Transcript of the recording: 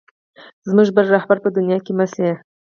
زموږ بل رهبر په دنیا کې مه شې.